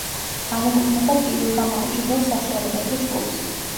განეკუთვნება ტკივილგამაყუჩებელ საშუალებათა ჯგუფს.